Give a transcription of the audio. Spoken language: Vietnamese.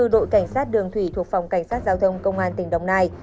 đội cảnh sát đường thủy thuộc phòng cảnh sát giao thông công an tỉnh đồng nai